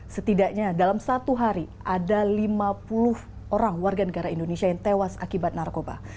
setidaknya dalam satu hari ada lima puluh orang warga negara indonesia yang tewas akibat narkoba